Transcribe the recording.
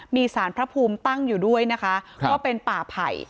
มีสารพระภูมิตั้งอยู่ด้วยนะคะก็เป็นป่าไผ่